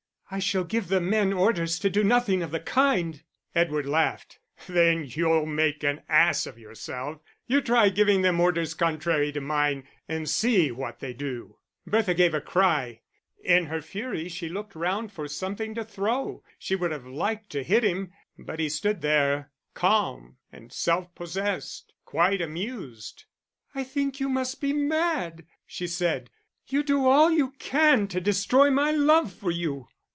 "I shall give the men orders to do nothing of the kind." Edward laughed. "Then you'll make an ass of yourself. You try giving them orders contrary to mine, and see what they do." Bertha gave a cry. In her fury she looked round for something to throw; she would have liked to hit him; but he stood there, calm and self possessed, quite amused. "I think you must be mad," she said. "You do all you can to destroy my love for you."